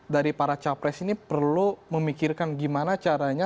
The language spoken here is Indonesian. dari para capres ini perlu memikirkan gimana caranya